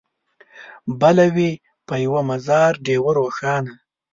بله وي په یوه مزار ډېوه روښانه